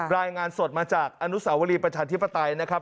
รายงานสดมาจากอาณุกสวรีประชาธิภัตริย์นะครับ